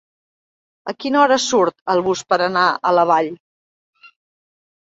A quina hora surt es bus per anar a La Vall?